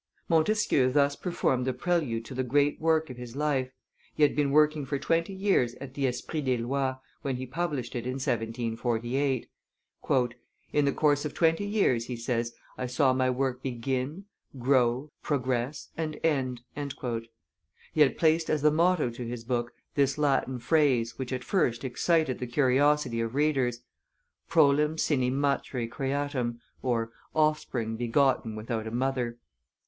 Montesquieu thus performed the prelude to the great work of his life; he had been working for twenty years at the Esprit des lois, when he published it in 1748. "In the course of twenty years," he says, "I saw my work begin, grow, progress, and end." He had placed as the motto to his book this Latin phrase, which at first excited the curiosity of readers: Prolem sine matre creatam (Offspring begotten without a mother).